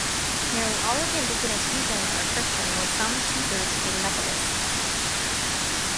Nearly all of the indigenous Fijians are Christian, with some two-thirds being Methodist.